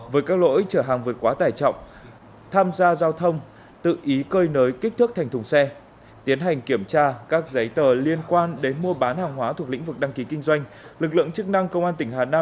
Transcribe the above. với các lỗi trở hàng vượt quá tải trọng tham gia giao thông tự ý cơi nới kích thước thành thùng xe tiến hành kiểm tra các giấy tờ liên quan đến mua bán hàng hóa thuộc lĩnh vực đăng ký kinh doanh